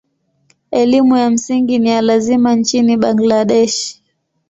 Elimu ya msingi ni ya lazima nchini Bangladesh.